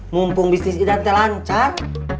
mumpung bisnis idamnya lancar